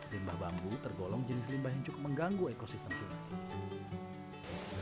limbah bambu tergolong jenis limbah yang cukup mengganggu ekosistem sungai